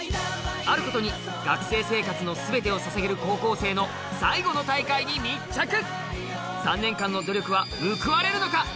あることに学生生活の全てをささげる高校生の最後の大会に密着３年間の努力は報われるのか？